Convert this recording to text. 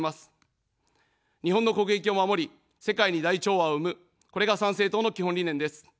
日本の国益を守り、世界に大調和を生む、これが参政党の基本理念です。